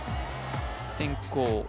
先攻